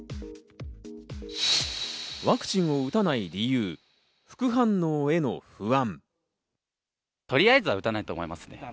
ワクチン打たない理由、副反応への不安。